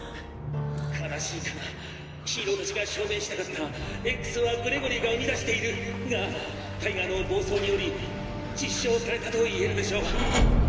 「悲しいかなヒーローたちが証明したかった『Ｘはグレゴリーが生み出している』がタイガーの暴走により実証されたと言えるでしょう」。